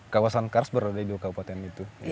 kawasan karts berada di kabupaten itu